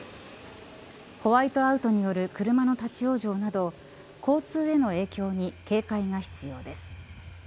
ホワイトアウトによる車の立ち往生など交通への影響に警戒が必要です。